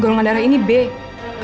rupanya baru saya bisa medium